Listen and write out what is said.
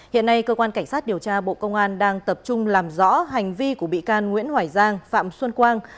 hiện nay cơ quan cảnh sát điều tra bộ công an đang tập trung làm rõ hành vi của bị can nguyễn hoài giang phạm xuân quang